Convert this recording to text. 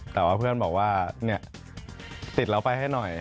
แต่ว่าเพื่อนบอกว่าติดเราไปให้หน่อย